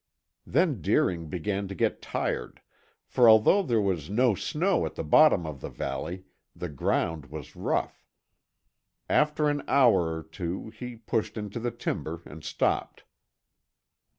Then Deering began to get tired, for although there was no snow at the bottom of the valley, the ground was rough. After an hour or two he pushed into the timber and stopped.